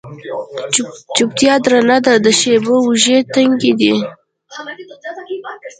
چوپتیا درنه ده د شېبو اوږې، تنکۍ دی